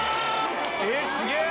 えっすげえ！